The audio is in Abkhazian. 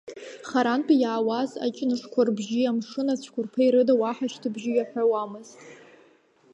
Харантәи иаауаз аҷнышқәа рбжьи амшын ацәқәырԥеи рыда уаҳа шьҭыбжьы иаҳәауамызт.